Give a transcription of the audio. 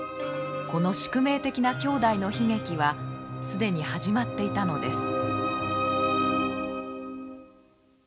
この宿命的な兄弟の悲劇は既に始まっていたのです。